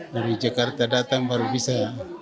dari jakarta datang baru bisa